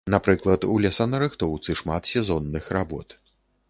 Напрыклад, у лесанарыхтоўцы шмат сезонных работ.